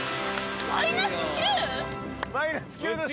マイナス９です。